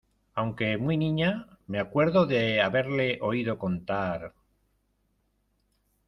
aunque muy niña, me acuerdo de haberle oído contar...